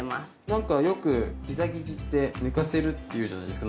なんかよくピザ生地って寝かせるっていうじゃないですか何時間も。